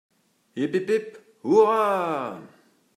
Hip ! hip ! hip ! hurrah !